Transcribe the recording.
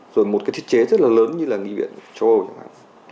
rồi một cái thiết chế rất là lớn như là nghị viện châu âu chẳng hạn